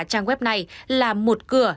trang web này là một cửa